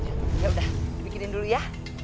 ya udah dibikin dulu ya